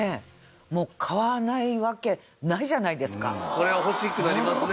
これは欲しくなりますね。